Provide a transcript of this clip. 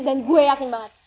dan gue yakin banget